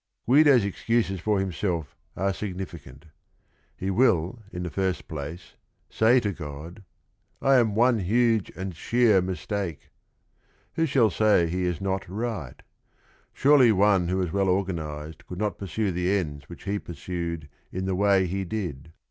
Guido's excuses for himself are significant. He will, in the first place, say to God, "I am one huge and sheer mistake!" Who shall say he is not right? Surely one who was well organ ized could not pursue the ends which he pursued in the way he did.